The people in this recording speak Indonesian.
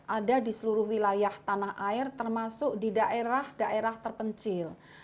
ada di seluruh wilayah tanah air termasuk di daerah daerah terpencil